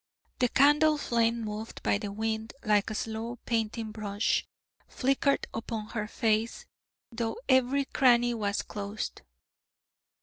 The candle flame, moved by the wind like a slow painting brush, flickered upon her face, though every cranny was closed.